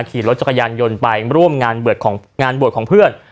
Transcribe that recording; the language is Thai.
ขี่รถจักรยานยนต์ไปร่วมงานบวชของเพื่อน